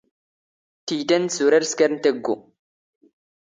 ⵜⵉⵢⵜⴰ ⵏⵏⵙ ⵓⵔ ⴰⵔ ⵙⴽⴰⵔⵏⵜ ⴰⴳⴳⵓ.